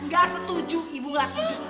gak setuju ibu nggak setuju